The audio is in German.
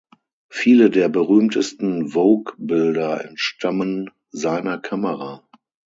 Viele der berühmtesten Vogue-Bilder entstammen seiner Kamera.